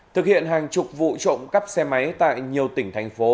thực hiện hàng chục vụ trộm cắp xe máy tại nhiều tỉnh thành phố